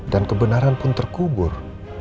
dan kebenaran pun terkubur